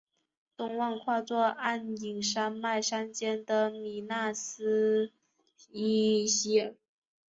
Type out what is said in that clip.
东望跨坐黯影山脉山肩的米那斯伊希尔。